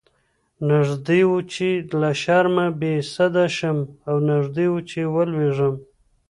نږدې و چې له شرمه بې سده شم او نږدې و چې ولويږم.